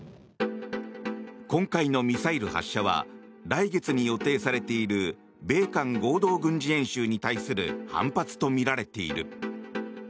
今回のミサイル発射は来月に予定されている米韓合同軍事演習に対する反発とみられている。